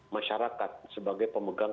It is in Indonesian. masyarakat sebagai pemegang